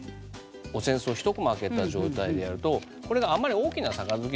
お扇子をひとこま開けた状態でやるとこれがあんまり大きな杯ではないよと。